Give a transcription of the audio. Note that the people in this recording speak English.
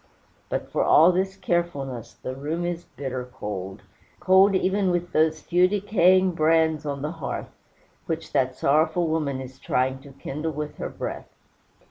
But for all this carefulness, the room is bitter cold cold even with those few decaying brands on the hearth, which that sorrowful woman is trying to kindle with her breath.